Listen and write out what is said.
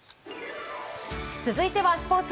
続いてはスポーツ。